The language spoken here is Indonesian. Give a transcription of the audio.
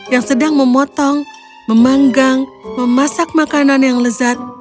yang sedang memotong memanggang memasak makanan yang lezat